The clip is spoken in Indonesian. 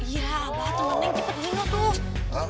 iya apaan temennya yang cepet gino tuh